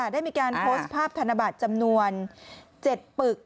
ได้มีการโพสต์ภาพธนบัตรจำนวน๗ปึก